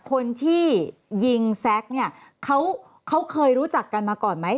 คนที่ยิงแซ็กเนี่ยเขาเคยรู้จักกันมาก่อนไหม